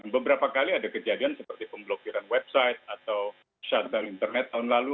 beberapa kali ada kejadian seperti pemblokiran website atau shuttle internet tahun lalu